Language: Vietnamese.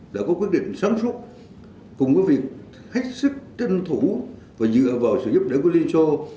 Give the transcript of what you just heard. đã có quyết định sáng suốt cùng với việc hết sức tranh thủ và dựa vào sự giúp đỡ của liên xô